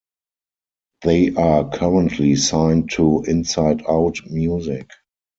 They are currently signed to InsideOut Music.